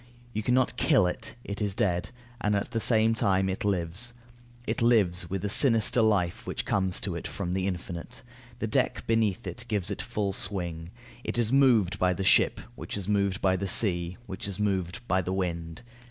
You can not kill it, it is dead; and at the same time it lives. It lives with a sinister life which comes to it from the infinite. The deck beneath it gives it full swing. It is moved by the ship, which is moved by the sea, which is moved by the wind.